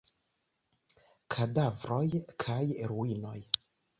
Kadavroj kaj ruinoj.